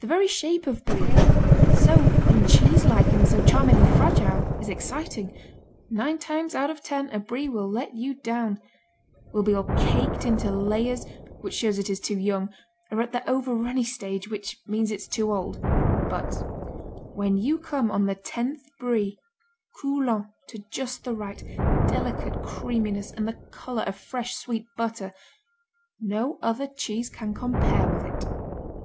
The very shape of Brie so uncheese like and so charmingly fragile is exciting. Nine times out of ten a Brie will let you down will be all caked into layers, which shows it is too young, or at the over runny stage, which means it is too old but when you come on the tenth Brie, coulant to just the right, delicate creaminess, and the color of fresh, sweet butter, no other cheese can compare with it.